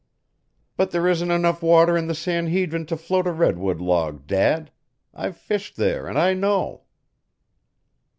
"But there isn't enough water in the San Hedrin to float a redwood log, Dad. I've fished there, and I know."